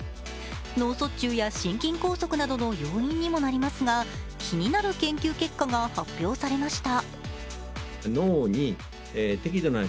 脳卒中や心筋梗塞などの要因にもなりますが気になる研究結果が発表されました。